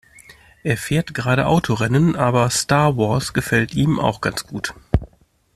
Er fährt gerade Autorennen, aber Star Wars gefällt ihm auch ganz gut.